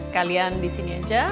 kalian di sini aja